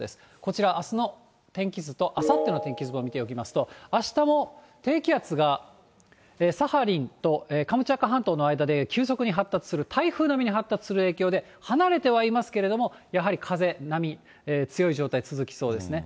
こちら、あすの天気図とあさっての天気図を見ておきますと、あしたも、低気圧がサハリンとカムチャッカ半島の間で急速に発達する、台風並みに発達する影響で、離れてはいますけれども、やはり風、波、強い状態、続きそうですね。